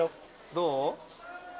どう？